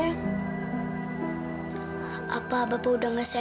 nggak enak ya